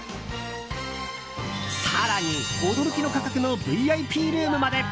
更に、驚きの価格のＶＩＰルームまで。